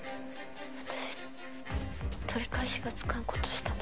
私取り返しがつかんことしたの？